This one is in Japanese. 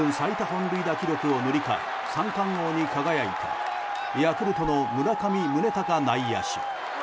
本塁打記録を塗り替え三冠王に輝いたヤクルトの村上宗隆内野手。